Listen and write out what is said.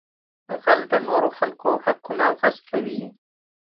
غل د نورو خلکو حقونه غصبوي